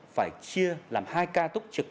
phải chia làm hai ca tốc trực